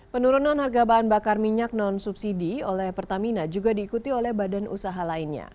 penurunan harga bahan bakar minyak non subsidi oleh pertamina juga diikuti oleh badan usaha lainnya